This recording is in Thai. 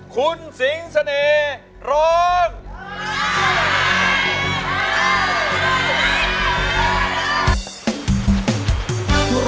คุณสิงเสน่ห์ร้อง